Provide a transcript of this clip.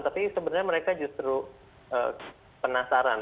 tapi sebenarnya mereka justru penasaran